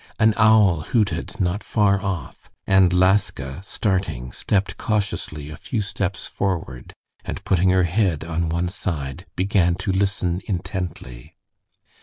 An owl hooted not far off, and Laska, starting, stepped cautiously a few steps forward, and putting her head on one side, began to listen intently.